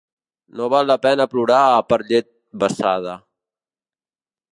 No val la pena plorar per llet vessada.